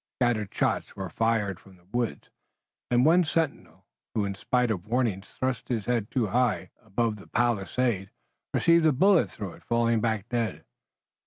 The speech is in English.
Scattered shots were fired from the woods, and one sentinel who in spite of warnings thrust his head too high above the palisade, received a bullet through it falling back dead.